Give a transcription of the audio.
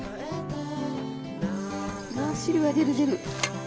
うわあ汁が出る出る！